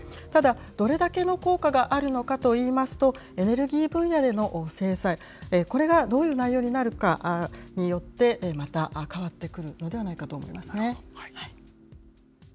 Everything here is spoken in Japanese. ただ、どれだけの効果があるのかといいますと、エネルギー分野での制裁、これがどういう内容になるかによって、また変わってくるのではないかと思いますね。